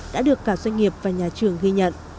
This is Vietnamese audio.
đã được cả doanh nghiệp và nhà trường ghi nhận